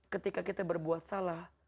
ketika kita berbuat salah